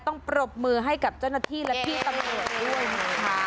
ต้องปรบมือให้กับเจ้าหน้าที่และพี่สำนวนด้วยค่ะ